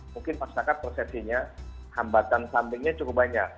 mungkin masyarakat persepsinya hambatan sampingnya cukup banyak